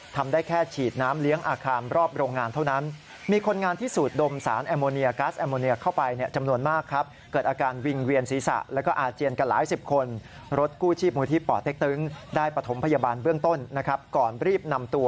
ทำได้แค่ฉีดน้ำเลี้ยงอาคารรอบโรงงานเท่านั้น